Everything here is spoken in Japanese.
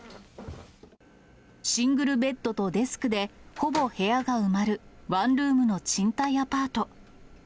シングルベッドとデスクで、ほぼ部屋が埋まるワンルームの賃貸アパート。